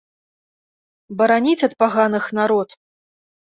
Бараніць ад паганых народ!